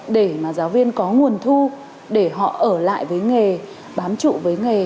để mà giáo viên có nguồn thu để họ ở lại với nghề bám trụ với nghề